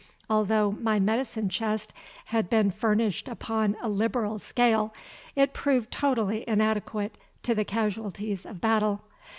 Although my medicine chest had been furnished upon a liberal scale, it proved totally inadequate to the casualties of battle.